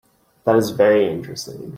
That is very interesting.